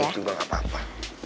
gak balik juga gak apa apa